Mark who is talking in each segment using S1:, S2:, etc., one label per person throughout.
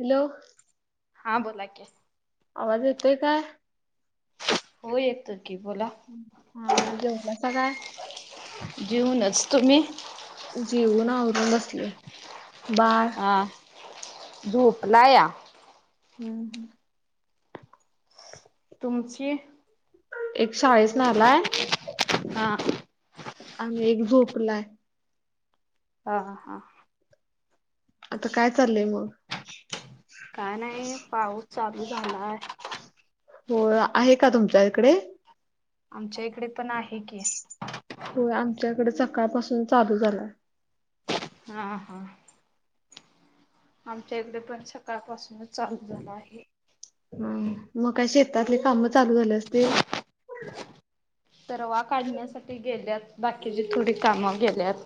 S1: Hello
S2: हां बोला की -
S1: आवाज येतोय काय.
S2: हो येतो की बोला.
S1: हा जेवलासा काय.
S2: जेऊनच तुम्ही.
S1: जेवून आवरून बसले बाळ
S2: ह जोपलाया.
S1: हम्म हम.
S2: तुमची.
S1: एक शाळीस ना आलाय.
S2: हा.
S1: आणि एक झोपलाय.
S2: हा हा.
S1: आता काय चाललंय मग.
S2: काय नाही पाऊस चालू झालाय.
S1: होय आहे का तुमच्या इकडे.
S2: आमच्या इकडे पण आहे की.
S1: होय आमच्याकडे सकाळपासून चालू झालाय.
S2: हां हां. आमच्या इकडे पण सकाळपासूनच चालू झाला आहे
S1: हम मग काय शेतातली कामं चालू झाले असतील.
S2: तरवा काढण्यासाठी गेल्यात बाकीची थोडी कामा व र गेल्यात.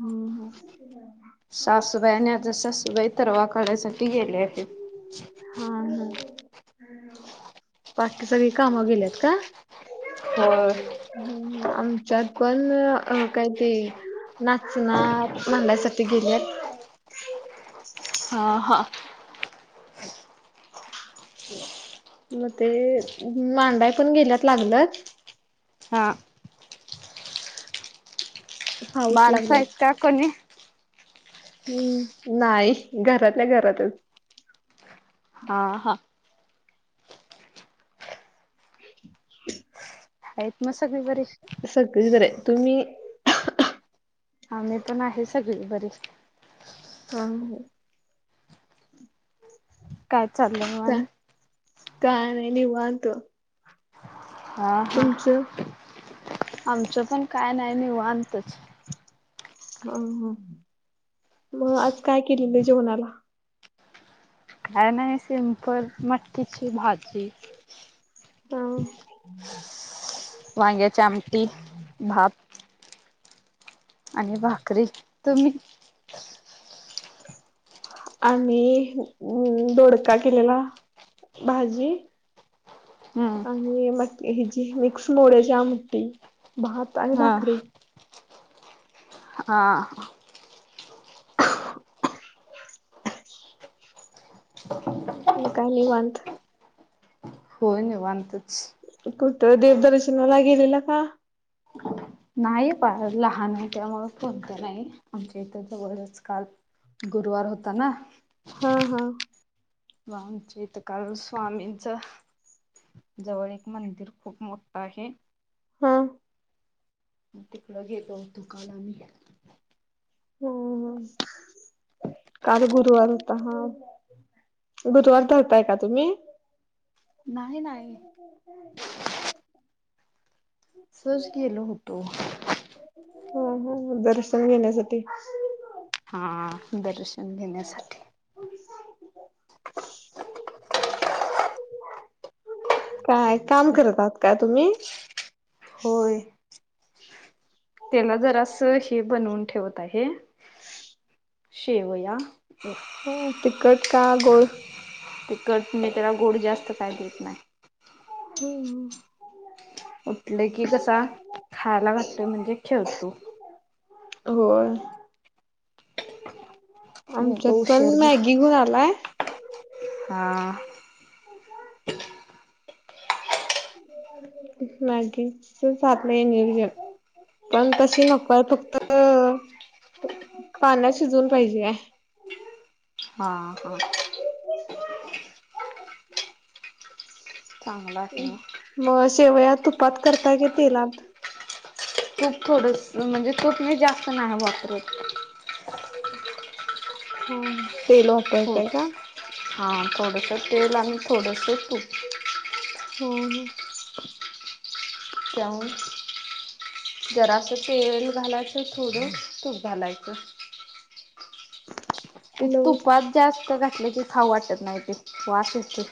S1: हम्म हम.
S2: सासुबाई आणि आजसासुबाई तरवा कडाय साठी गेले आहे.
S1: हा हा. बाकी सगळी कामावर गेलेत का.
S2: होय.
S1: ह् आमच्यात पण काय ते नाचना मला साठी गेल्यात.
S2: ह हां.
S1: मग ते नांदाय पण गेल्यात लागल.
S2: हां.
S1: पाऊस लागलाय.
S2: माणसयेत का कोणी.
S1: हम्म नाही घरातल्या घरातच.
S2: हा हा. आहेत म सगळी बरी.
S1: सगळी बरी आहे तुम्ही.
S2: आम्ही पण आहे सगळी बरीच.
S1: हा.
S2: काय चाललंय मआणि
S1: का नाही निवंत.
S2: हा हा आमचं पण काय नाही निवांतच.
S1: ह मग आज काय केलेलं जेवणाला.
S2: काय नाही सिंपल मटकीची भाजी.
S1: हा.
S2: वांग्याची आमटी भात. आणि भाकरी तुम्ही
S1: आम् दोडका केलेला भाजी.
S2: हम्म
S1: आणि मग हि जी मिक्स मोड्याची आमटी भात आणि
S2: हा
S1: भाकरी
S2: हा. ह [unintelligible]
S1: म काही नाहीवत
S2: होन वतच
S1: कुठं देवदर्शनाला गेलेला का
S2: नाही प लहान आहे त्यामु कोणते नाही आमच्या इथ जवळच काल गुरुवार होता ना
S1: हा हा
S2: मम चितकाल स्वामींचं जवळ एक मंदिर खूप मोठं आहे
S1: हा
S2: मग तिकड गेलो दुकान आमहीो
S1: हो हो काल गुरुवार होता हा गुरुवार धरताय का तुम्ही
S2: नाही नाही
S1: हो
S2: सोजकीयलाो होटो
S1: ह ह दर्शन घेण्यासाठी
S2: हा दर्शन घेण्यासाठी
S1: काय काम करत आहात का तुम्ही
S2: हो त्याला जरा असं हे बनवून ठेवत आहे
S1: ह्
S2: शेवया
S1: हो तिकट का गोोल
S2: ते कट नाही त्याला गोड जास्त काय देत नाही
S1: होम
S2: उठले की कसा खायला घटलं म्हणजे खेळतो
S1: होर
S2: तो
S1: आमच्यात पण
S2: उशीर झो
S1: मॅगी घुन आलाय
S2: हा
S1: मागकीच सातलं ये नियजन पण तशी नक फक्त पाण्यात शिजवून पाहिजे
S2: हा हा
S1: हो
S2: चांगला आहे ना
S1: मग शेवया तुपात करताय के तेला
S2: खूप थोडं म्हणजे तोठही जास्त नाही वापरवत
S1: हा
S2: खूप हा थोडसं तेल आणि थोडस तूप
S1: हो हो
S2: जाऊन जरासं तेल घालायचं थोडं तूप घालायचं ते
S1: हो
S2: तुफात जास्त घातले की खाऊ वाटत नाही ते श्वास यते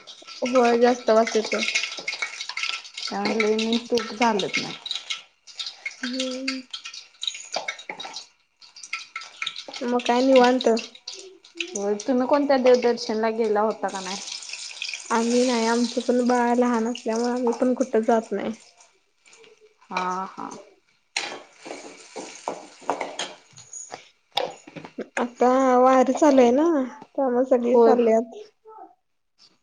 S1: हो जास्त वासायच
S2: त्यामुळे मी तू झालंच नाही
S1: म म काय निवत
S2: हो तुम्ही कोणत्या देवदर्शनला गेला होता का नाही
S1: आणि नाही आमचं पण बाळ लहान असल्यामुळे आम्ही पण कुठं जात नाही
S2: हां हां
S1: आता वारी चालू आहे ना त्यामुळे सगळी
S2: होय.
S1: चाललीयात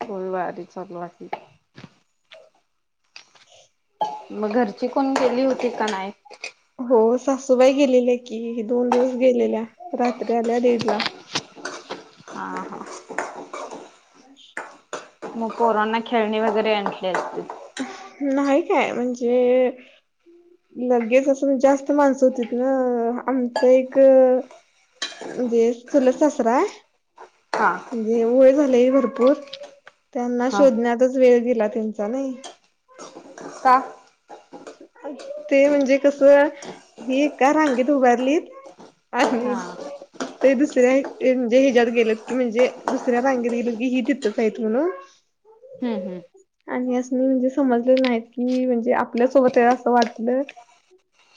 S2: होय वारी चालू आहे
S1: ह
S2: मग घरची कोण गेली होती का नाय?
S1: हो सासूबाई गेलेल्या की दोन दिवस गेलेल्या रात्री आल्या दीड ला
S2: हा हा मग पोरांना खेळणी वगैरे आणले असतील
S1: नाही काय म्हणजे मी लगेच असं जास्त माणसं होती ना आमचं एक म्हणजे चुलत सासरा आहे
S2: हा
S1: म्हणजे वय झालय भरपूर त्यांना
S2: हा
S1: शोधण्यातच वेळ गेला त्यांचा नाही
S2: का?
S1: ते म्हणजे कस ही एका रांगेत उभारलीत आणि
S2: हा
S1: ते दुसऱ्या म्हणजे ह्याच्यात गेलेत की म्हणजे दुसऱ्या रांगेत गेलो की ही इथेच आहेत म्हणून
S2: हम्म हम्म
S1: आणि असं म्हणजे समजले नाही की म्हणजे आप पल्या सोबत आहे असं वाटलं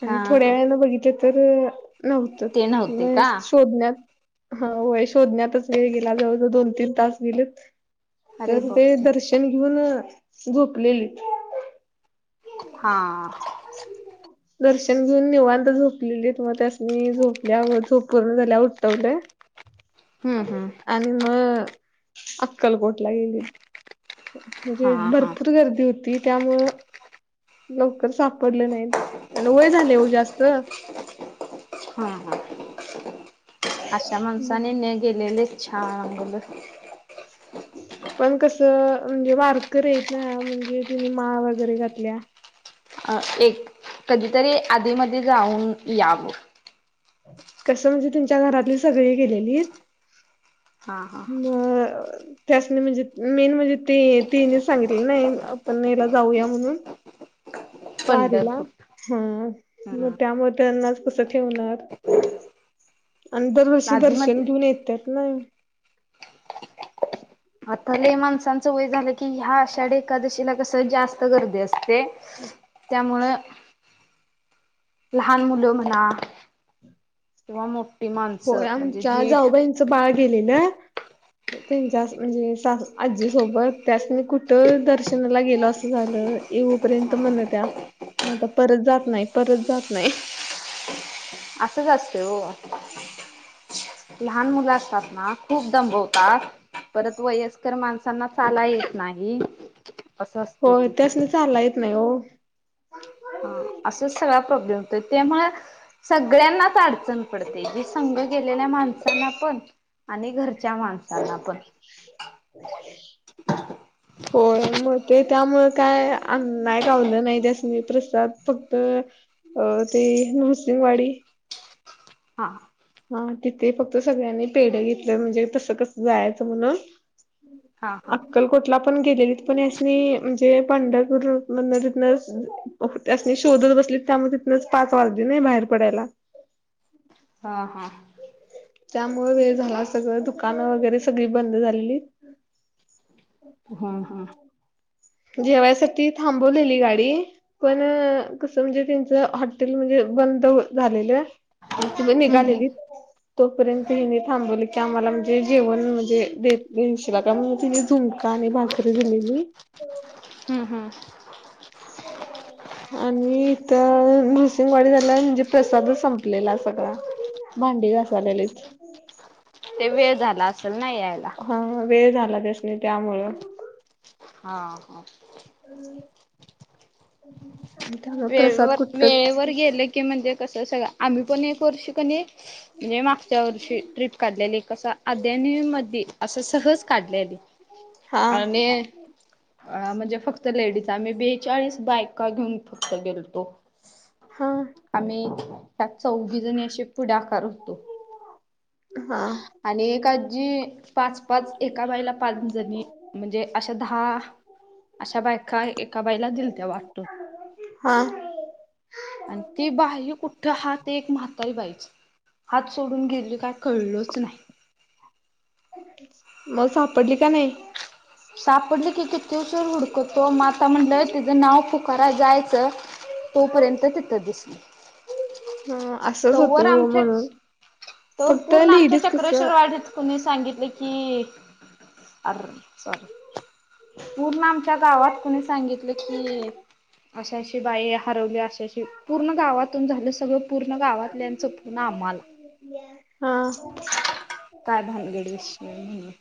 S1: आणि
S2: हा
S1: थोड्या
S2: हा
S1: वेळने बघितलं तर नव्हतं
S2: ते नव्हते
S1: व
S2: का?
S1: शोधण्यात हा होय शोधण्यातच वेळ गेला जवळजवळ दोन तीन तास गेलेत
S2: अरे
S1: तर ते
S2: बापरे!
S1: दर्शन घेऊन झोपलेले
S2: हां.
S1: [inaudible] दर्शन घेऊन निवांत झोपलेले मग त्यासनी झोपल्यावर झोप पूर्ण झाल्यावर उठवले ह
S2: हम्म हम्म.
S1: आणि मग अक्कलकोटला गेली
S2: हा
S1: म्हणजे
S2: हा
S1: भरपूर गर्दी होती त्यामुळं लवकर सापडले नाहीत आणि वय झाले ओ जास्त
S2: हा हा अशा माणसाने न गेलेलेच छान ग बाई
S1: पण कस म्हणजे वारकरी आहे ना म्हणजे त्यांनी माळ वगैरे घातल्या
S2: अह एक कधीतरी आधी मधी जाऊन यावं
S1: कसं म्हणजे त्यांच्या घरातली सगळी गेलेलीत
S2: हा हा
S1: म त्यासनी म्हणजे मेन म्हणजे ते त्यांनीच सांगितले नाही आपण याला जाऊया म्हणून वारीला
S2: पंढरपूर
S1: हा मग
S2: हम्म
S1: त्यामुळे त्यांनाच कस ठेवणार आणि दरवर्षी
S2: आधी मधी
S1: दर्शन घेऊन येतात ना
S2: आता लय माणसांचं वय झालं की ह्या आषाढी एकादशीला कस जास्त गर्दी असते त्यामुळं लहान मुलं म्हणा किंवा मो
S1: होय आमच्या जाऊबाईंचं बाळ गेलेलं त्यांच्या म्हणजे सा आजी सोबत त्यासनी कुठं दर्शनाला गेल असं झालं येऊपर्यंत म्हणत होत्या आता परत जात नाही परत जात नाही
S2: असंच असत ओ
S1: हं
S2: लहान मुलं असतात ना खूप दमवतात परत वयस्कर माणसांना चालाया येत नाही असं असतं
S1: होय
S2: ते
S1: त्यासनी चाला येत नाही हो
S2: हा असं सगळा प्रॉब्लेम होत त्यामु सगळ्यांनाच अडचण पडते जी संघ गेलेल्या माणसांना पण आणि घरच्या माणसाला पण
S1: होय मग ते त्यामु काय अ नाहीय गावलं नाही त्यासनी प्रसाद फक्त अ ते नृसिंंगवाडी.
S2: हा.
S1: हा तिथे फक्त सगळ्यांनी पेढ घेतलं म्हणजे तसं कस जायचं म्हण. अ.
S2: हा हा
S1: अक्कलकोटला पण गेलेलीत पण यानी म्हणजे पंढरपूर तिथन. त्यासनी शोधत बसलीत त्यामुळे तिथनच पाच वाारदी नाही बाहेर पडायला.
S2: हां हां..
S1: त्यामुळे वेळ झाला सगळं दुकानं वगैरे सगळी बंद झालेली..
S2: हा हा..
S1: जेवायसाठी थांबवलेली गाडी.. पण, कसं म्हणजे त्यांचं हॉटेल म्हणजे बंद झालेलं.. इथनं
S2: हम्म हम्म
S1: निघालेली.. तोपर्यंत हिने थांबवलं की आम्हाला म्हणजे जेवन म्हणजे देत, देशीला का म्हणून तिने झुम. आणि भाकरी दिलेली..
S2: हा हा..
S1: [inaudible] आणि इथं नृसिंंहवाडीत आल्यावर म्हणजे प्रसादच संपलेला सगळा.. भांडी घासालेलीत..
S2: ते वेळ झाला असेल नाही यायला..
S1: हा वेळ झाला त्यासनी त्यामुळं..
S2: हा ह..
S1: [unintelligible] प्रसाद
S2: वेळवर,
S1: कुठच
S2: वेळेवर गेले की म्हणजे कसं सगळं आम्ही पण एक वर्ष कणी. मी मागच्या वर्षी ट्रिप काढलेली कसं अद्यानी, मधी असं सहज काढलेली..
S1: हा
S2: आणि.. अ, म्हणजे फक्त लेडीज आम्ही बेचाळीस बायका घेऊन फक्त गेलतो..
S1: हा..
S2: आम्ही, त्यात चौघी जणी असे पुढाकार होतो..
S1: हा..
S2: अनेक आजी.. पाच, पाच, एका बाईला पाच जणी, म्हणजे अशा दहा. अशा बायका एका बाईला दिलत्या वाटून..
S1: हा..
S2: आणि ते बाह्य कुठं, हा ते एक म्हातारी बाईच.. हात सोडून गेली काय कळलंच नाही..
S1: मग सापडली का नाही..
S2: सापडली की, किती उशीर हुडकुतो माता म्हटलं तिचं नाव पुकारा जायचं.. तोपर्यंत तिथं दिसली..
S1: हम आ.
S2: तोवर आमच्याच, तवर
S1: फक्त
S2: पूर्ण आमच्या
S1: लेडीज कसं
S2: चक्रश्वर वाढीत.. तुम्ही सांगितले की, अरर सॉरी.. पूर्ण आमच्या गावात कुणी सांगितलं की, अशाशी बाई हरवल्या अशाशी.. पूर्ण गावातून झालं सगळं, पूर्ण गावातल्यांचं पुन्हा आम्हाला.
S1: हां..
S2: काय भानगडी विशय म्हणून..